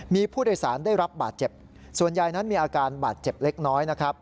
มีผู้โดยสารได้รับบาดเจ็บส่วนใหญ่นั้นมีอาการบาดเจ็บเล็กน้อยนะครับ